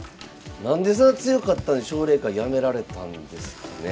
何でそんな強かったのに奨励会辞められたんですかね。